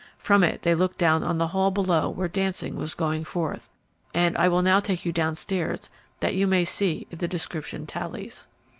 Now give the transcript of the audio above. From it they looked down on the hall below where dancing was going forward, and I will now take you downstairs that you may see if the description tallies."